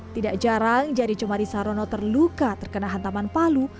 tidak jarang jadi cumari sarono terluka terkena hantaman palu